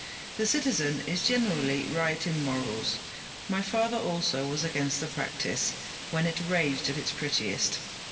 'The citizen is generally right in morals. My father also was against the practice, when it raged at its "prettiest."